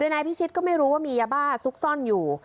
นายพิชิตก็ไม่รู้ว่ามียาบ้าซุกซ่อนอยู่